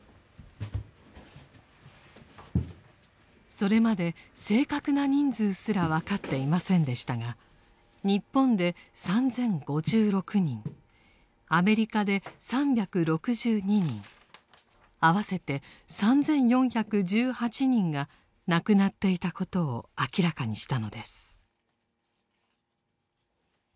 それまで正確な人数すら分かっていませんでしたが日本で３０５６人アメリカで３６２人合わせて３４１８人が亡くなっていたことを明らかにしたのです。